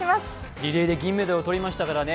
リレーで銀メダルをとりましたからね